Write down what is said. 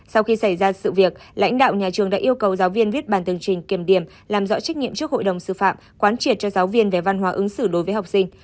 sau khi xảy ra sự việc lãnh đạo nhà trường đã yêu cầu giáo viên viết bàn tương trình kiểm điểm làm rõ trách nhiệm trước hội đồng sư phạm quán triệt cho giáo viên về văn hóa ứng xử đối với học sinh